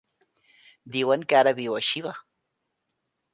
Diuen que ara viu a Xiva.